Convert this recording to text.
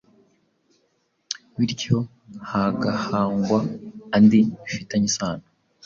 bityo hagahangwa andi bifitanye isano.